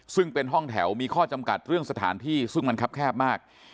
ซึ่งเป็นห้องแถวมีข้อจำกัดเรื่องสถานที่ซึ่งมันครับแคบมาก